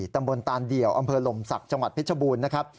ตำบลตานเดี่ยวอำเภอหลมศักดิ์จังหวัดเพชรบูรณ์นะครับ